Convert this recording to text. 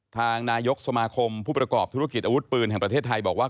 ทางนายกสมาคมผู้ประกอบธุรกิจอาวุธปืนแห่งประเทศไทยบอกว่า